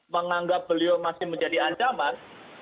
menganggap beliau masih menjadi ancaman